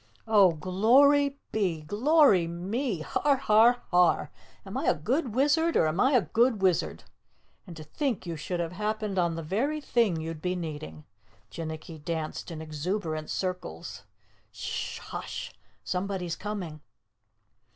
"Oh, glory be! Glory me! Har, har, har! Am I a good wizard or am I a good wizard? And to think you should have happened on the very thing you'd be needing." Jinnicky danced in exuberant circles. "Sh hush! Somebody's coming."